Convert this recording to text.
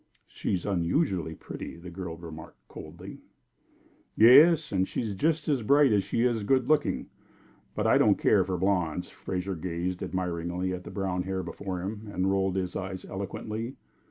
"She's unusually pretty," the girl remarked, coldly. "Yes, and she's just as bright as she is good looking but I don't care for blondes." Fraser gazed admiringly at the brown hair before him, and rolled his eyes eloquently.